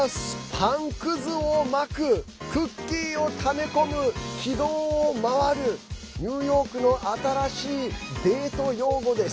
パンくずをまくクッキーをため込む軌道を回るニューヨークの新しいデート用語です。